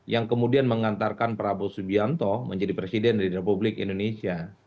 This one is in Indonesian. yang kemudian mengantarkan prabowo subianto menjadi presiden di republik indonesia